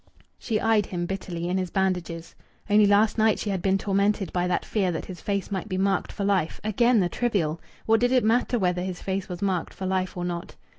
She eyed him bitterly in his bandages. Only last night she had been tormented by that fear that his face might be marked for life. Again the trivial! What did it matter whether his face was marked for life or not?...